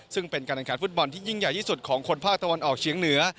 ซึ่งเป็นการแข่งขันฟุตบอลที่ยิ่งใหญ่ที่สุดของคนภาคตะวันออกเฉียงเหนือ